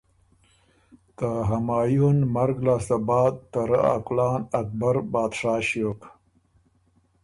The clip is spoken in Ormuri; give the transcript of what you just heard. ته همایون مرګ لاسته بعد ته رۀ ا کُلان اکبر بادشاه ݭیوک۔